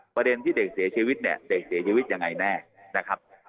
ประเด็นที่เด็กเสียชีวิตเนี่ยเด็กเสียชีวิตยังไงแน่นะครับ